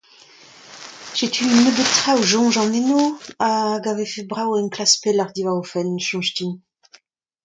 Setu un nebeud traoù a soñjan enno hag a vefe brav enklask pelloc'h diwar o fenn, a soñj din.